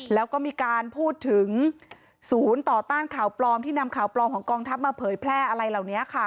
แล้วก็มีการพูดถึงศูนย์ต่อต้านข่าวปลอมที่นำข่าวปลอมของกองทัพมาเผยแพร่อะไรเหล่านี้ค่ะ